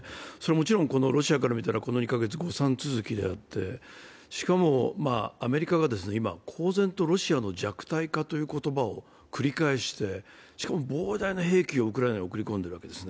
もちろんロシアから見たら、この２カ月、誤算続きであって、しかも、アメリカが今、公然とロシアの弱体化という言葉を繰り返して、しかも膨大な兵器をウクライナに送り込んでいるわけです。